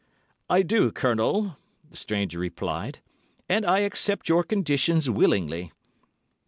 "I do, Colonel," the stranger replied, "and I accept your conditions willingly."